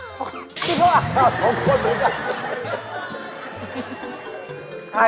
ช่วงสองคนนี่